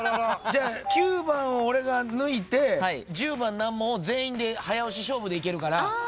じゃあ９番を俺が抜いて１０番難問を全員で早押し勝負でいけるから。